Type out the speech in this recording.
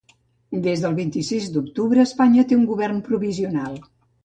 Des del vint-i-sis d’octubre Espanya té un govern provisional.